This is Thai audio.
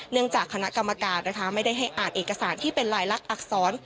เนื่องจากคณะกรรมการไม่ได้ให้อ่านเอกสารที่เป็นรายลักอักษร